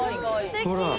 ほら。